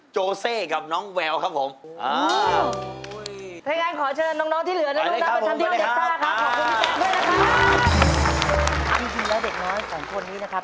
เย็นแล้วเด็กน้อยสั้นคนนี้นะครับ